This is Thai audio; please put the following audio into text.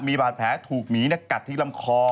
มีบาดแผลถูกหมีกัดที่ลำคอ